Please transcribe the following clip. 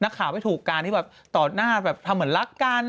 ข่าวไม่ถูกการที่แบบต่อหน้าแบบทำเหมือนรักกัน